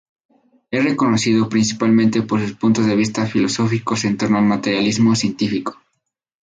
Es conocido principalmente por sus puntos de vista filosóficos en torno al materialismo científico.